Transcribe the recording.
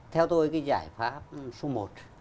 theo tôi cái giải pháp số một